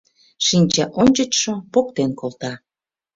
Шинчаончычшо поктен колта.